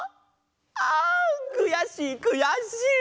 あんくやしいくやしい！